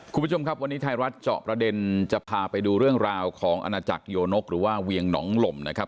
คุณผู้ชมครับวันนี้ไทยรัฐเจาะประเด็นจะพาไปดูเรื่องราวของอาณาจักรโยนกหรือว่าเวียงหนองลมนะครับ